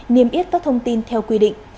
niêm yết các thông tin theo quy định